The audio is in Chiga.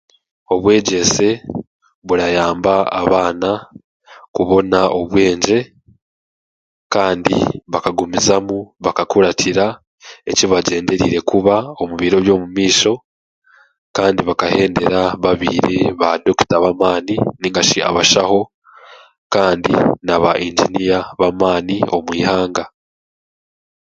Obwegyese burayamba abaana kubona obwengye kandi bakagumizamu bakakuratira eki bagyendereire kuba omu biro by'omu maisho kandi bakahendera babaire ba dokita b'amaani nainga shi abashaho kandi n'aba inginiya b'amaani omu ihanga.